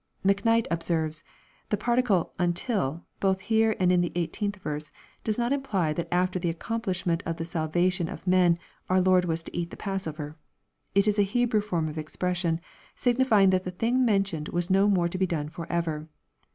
Mack night observes, " The particle ' until,' both here and in the 18th verse, does not imply that after the accomplishment of the salva tion of men our Lord was to eat the passover. It is a Hebrew form of expression, signifying that the thing mentioned was no more to be done forever.